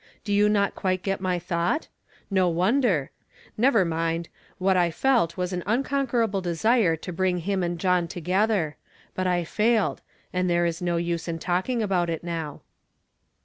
You do not quite get my thought ? No wonder ! Never mind ; what I felt was an uncon querable desire to bring him and John together; but I failed, and there is no use in talking about it now."